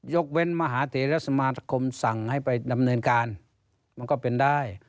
ยกเว้นมหาเถระสมาคมสั่งให้ไปดำเนินการมันก็เป็นได้